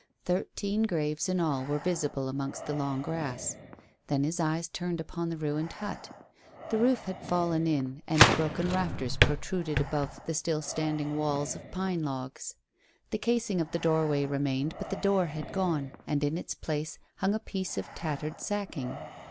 Thirteen graves in all were visible amongst the long grass. Then his eyes turned upon the ruined hut. The roof had fallen in, and broken rafters protruded above the still standing walls of pine logs. The casing of the doorway remained, but the door had gone, and in its place hung a piece of tattered sacking.